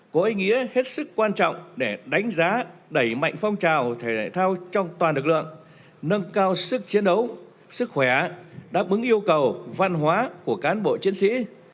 có ý nghĩa hết sức quan trọng để đánh giá đẩy mạnh phong trào thể đại thao trong toàn lực lượng nâng cao sức chiến đấu sức khỏe đáp ứng yêu cầu văn hóa của cán bộ chiến sĩ